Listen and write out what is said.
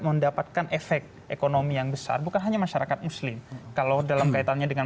mendapatkan efek ekonomi yang besar bukan hanya masyarakat muslim kalau dalam kaitannya dengan